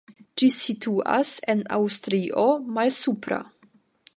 Ĝi situas en Aŭstrio Malsupra.